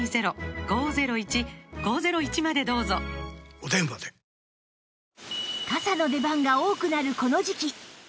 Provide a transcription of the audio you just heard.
お電話で傘の出番が多くなるこの時期